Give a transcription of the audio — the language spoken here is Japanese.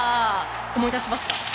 思い出しますか？